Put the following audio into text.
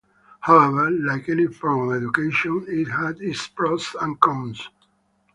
However, like any form of education, it has its pros and cons.